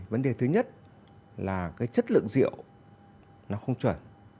vấn đề thứ nhất là chất lượng rượu không chuẩn